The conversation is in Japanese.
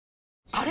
あれ？